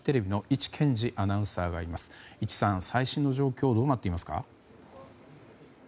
伊地さん、最新の状況どうなっていますか？